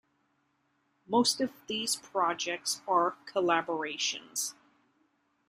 Most of these projects are collaborations.